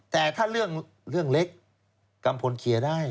แต่ถ้าเรื่องเล็กกัมพลเคลียร์ได้